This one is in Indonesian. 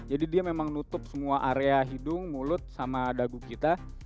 jadi dia memang nutup semua area hidung mulut sama dagu kita